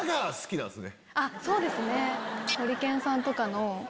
そうですね。